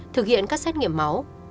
thực hiện các xét nghiệm máu